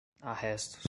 arrestos